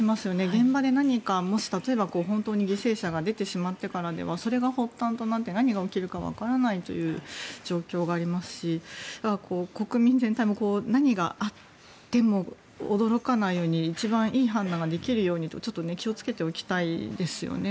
現場で何か、もし例えば本当に犠牲者が出てしまってからではそれが発端となって何が起きるかわからないという状況がありますし国民全体も何があっても驚かないように一番いい判断ができるように気をつけておきたいですよね。